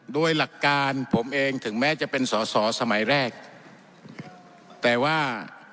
โดยหลักการผมเองถึงแม้จะเป็นสอสอสมัยแรกแต่ว่า